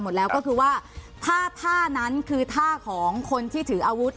หมดแล้วก็คือว่าถ้าท่าท่านั้นคือท่าของคนที่ถืออาวุธ